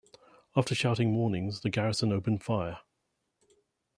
After shouting warnings the garrison opened fire.